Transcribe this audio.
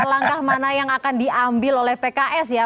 langkah mana yang akan diambil oleh pks ya